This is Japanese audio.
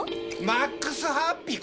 マックスハッピー？